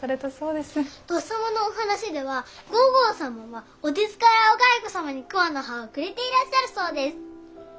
とっさまのお話では皇后様はお手ずからお蚕様に桑の葉をくれていらっしゃるそうです。